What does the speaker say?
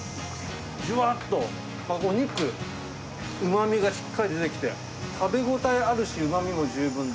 じゅわっとお肉、うまみがしっかり出てきて、食べ応えあるし、うまみも十分で。